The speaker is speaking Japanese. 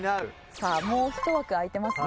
さあもう１枠空いてますね。